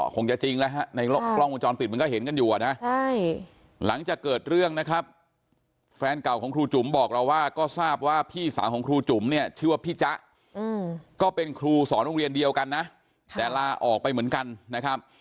พี่สาวของครูจุ่มเนี่ยชื่อว่าพี่จ๊ะก็เป็นครูสอนโรงเรียนเดียวกันนะแต่ลาออกไปเหมือนกันนะครับ